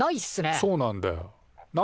そうなんだよ。